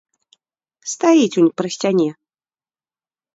Стаіць, унь пры сцяне.